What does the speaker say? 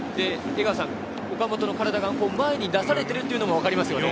岡本の体が前に出されているっていうのもわかりますね。